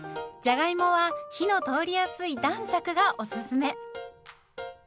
じゃがいもは火の通りやすい男爵がおすすめ。